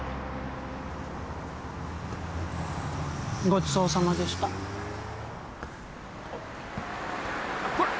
ごちそうさまでしたあっ